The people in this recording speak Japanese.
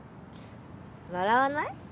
笑わない？